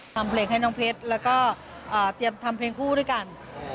ทำเพลงให้น้องเพชรแล้วก็เตรียมทำเพลงคู่ด้วยกัน